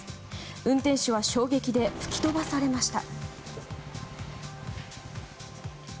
運転手は衝撃で吹き飛ばされました。